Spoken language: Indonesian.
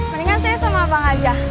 mendingan saya sama abang aja